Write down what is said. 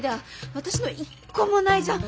私の一個もないじゃん！